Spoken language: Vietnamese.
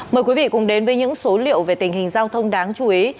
mời quý vị cùng đến với những số liệu về tình hình giao thông đáng chú ý